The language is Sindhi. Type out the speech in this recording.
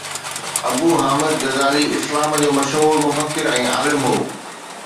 ابو حامد غزالي اسلام جو مشهور مفڪر ۽ عالم هو